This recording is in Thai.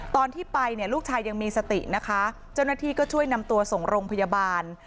ตอนที่ไปเนี่ยลูกชายยังมีสตินะคะเจ้าหน้าที่ก็ช่วยนำตัวส่งโรงพยาบาล